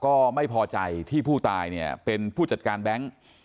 ก็ไม่พอใจที่ผู้ตายเนี่ยเป็นผู้จัดการแบงค์